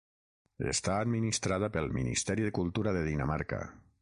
Està administrada pel Ministeri de Cultura de Dinamarca.